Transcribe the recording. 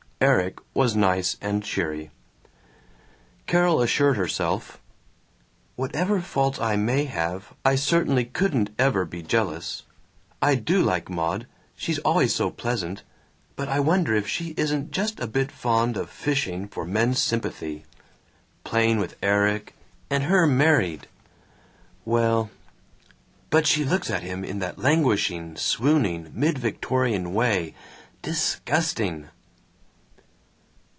Erik was nice and cheery. Carol assured herself, "Whatever faults I may have, I certainly couldn't ever be jealous. I do like Maud; she's always so pleasant. But I wonder if she isn't just a bit fond of fishing for men's sympathy? Playing with Erik, and her married Well But she looks at him in that languishing, swooning, mid Victorian way. Disgusting!"